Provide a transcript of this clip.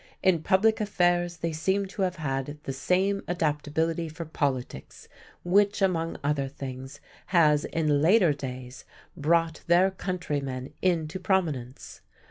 In public affairs they seem to have had the same adaptability for politics which, among other things, has in later days brought their countrymen into prominence.